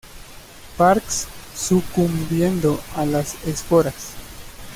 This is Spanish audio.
Parks sucumbiendo a las esporas.